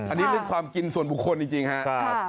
อันนี้คือความกินส่วนบุคคลจริงฮะ